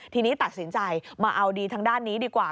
ทีนี้ตัดสินใจมาเอาดีทางด้านนี้ดีกว่า